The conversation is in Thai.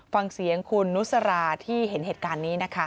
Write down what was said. ฟังเสียงคุณนุสราที่เห็นเหตุการณ์นี้นะคะ